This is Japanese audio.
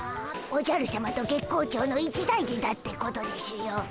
おじゃるしゃまと月光町の一大事だってことでしゅよ。